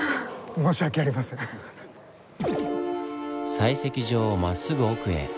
採石場をまっすぐ奥へ。